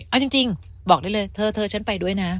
เอาจริงบอกได้เลยเธอฉันไปด้วยนะ